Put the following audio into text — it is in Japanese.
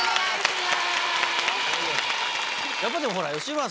やっぱでもほら吉村さんとね。